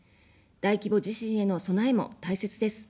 大規模地震への備えも大切です。